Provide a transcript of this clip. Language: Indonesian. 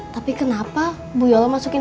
tapi kenapa bu yola masukin